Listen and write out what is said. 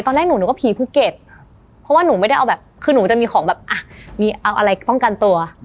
ตอนแรกหนูหนูก็ผีภูเก็ตเพราะว่าหนูไม่ได้เอาแบบคือหนูจะมีของแบบอ่ะมีเอาอะไรป้องกันตัว